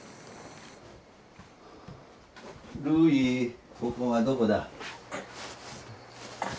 琉偉ここはどこだ？